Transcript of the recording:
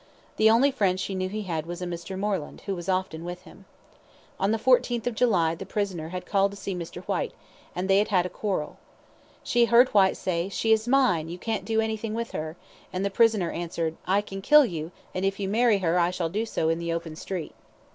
The only friend she knew he had was a Mr. Moreland, who was often with him. On the 14th July, the prisoner called to see Mr. Whyte, and they had a quarrel. She heard Whyte say, "She is mine, you can't do anything with her," and the prisoner answered, "I can kill you, and if you marry her I shall do so in the open street."